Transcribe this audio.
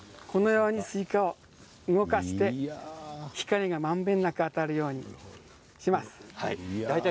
スイカを動かして光がまんべんなく当たるようにします。